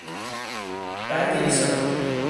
برگ بیساقه